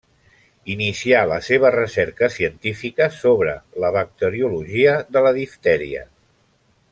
Inicià la seva recerca científica sobre la bacteriologia de la diftèria.